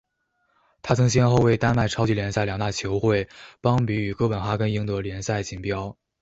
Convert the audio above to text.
他曾先后为丹麦超级联赛两大球会邦比与哥本哈根赢得联赛锦标。